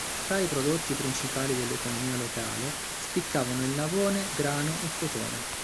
Tra i prodotti principali dell'economia locale spiccavano il navone, grano e cotone.